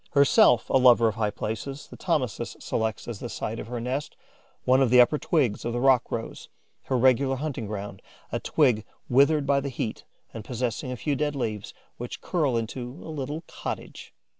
Herself a lover of high places, the Thomisus selects as the site of her nest one of the upper twigs of the rock rose, her regular hunting ground, a twig withered by the heat and possessing a few dead leaves, which curl into a little cottage.